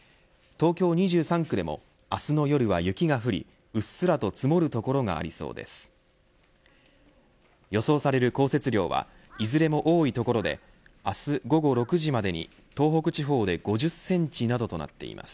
東京２３区でも明日の夜は雪が降りうっすらと積もる所がありそうです。